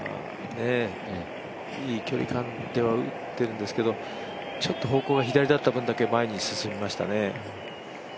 いい距離感では打ってるんですけどちょっと方向が左だった分だけ前に進みましたね。